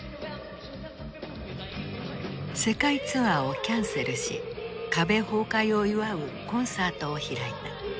世界ツアーをキャンセルし壁崩壊を祝うコンサートを開いた。